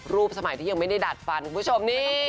สมัยที่ยังไม่ได้ดัดฟันคุณผู้ชมนี่